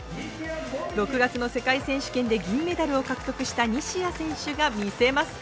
６月の世界選手権で銀メダルを獲得した西矢選手が見せます。